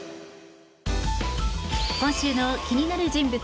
今週の気になる人物